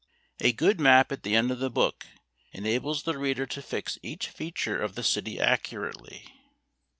A good map at the end of the book enables the reader to fix each feature of the city accurately.